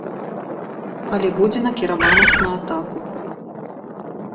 Але будзе накіраванасць на атаку.